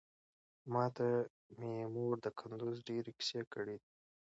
ماته مې مور د کندوز ډېرې کيسې کړې دي.